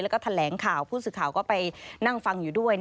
แล้วก็แถลงข่าวผู้สื่อข่าวก็ไปนั่งฟังอยู่ด้วย